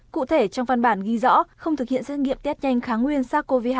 cụ thể trong văn bản ghi rõ không thực hiện xét nghiệm test nhanh kháng nguyên sars cov hai